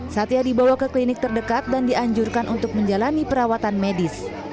satya dibawa ke klinik terdekat dan dianjurkan untuk menjalani perawatan medis